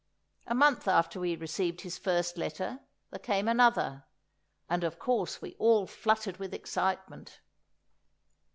A month after we received his first letter, there came another, and of course we all fluttered with excitement.